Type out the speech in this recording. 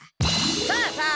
さあさあ